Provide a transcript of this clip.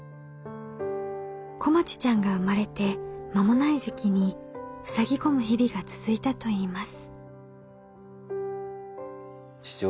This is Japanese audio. こまちちゃんが生まれて間もない時期にふさぎ込む日々が続いたといいます。